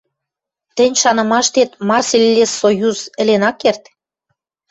— Тӹнь шанымаштет, Марсельлессоюз ӹлен ак керд?